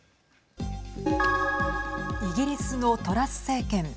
イギリスのトラス政権。